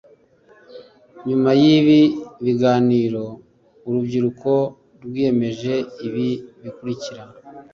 Nyuma y ibi biganiro urubyiruko rwiyemeje ibi bikurikira